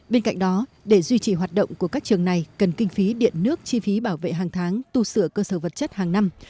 bên cạnh đó để duy trì hoạt động của các trường này cần kinh phí điện nước chi phí bảo vệ hàng tháng tu sửa cơ sở vật chất hàng năm